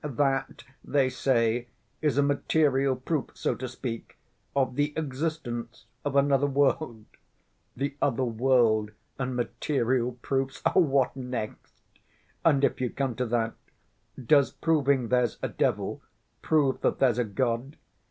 That, they say, is a material proof, so to speak, of the existence of another world. The other world and material proofs, what next! And if you come to that, does proving there's a devil prove that there's a God?